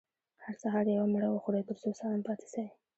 هر سهار يوه مڼه وخورئ، تر څو سالم پاته سئ.